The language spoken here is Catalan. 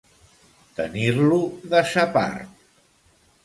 Tenir-lo de sa part.